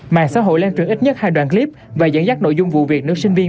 mạng xã hội lan truyền ít nhất hai đoàn clip và dẫn dắt nội dung vụ việc nữ sinh viên